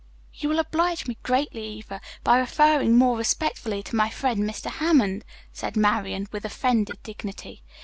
"You will oblige me greatly, Eva, by referring more respectfully to my friend, Mr. Hammond," said Marian with offended dignity.